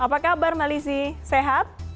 apa kabar mbak lizzie sehat